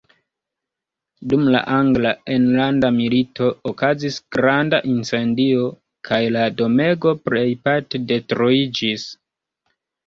Dum la angla enlanda milito okazis granda incendio, kaj la domego plejparte detruiĝis.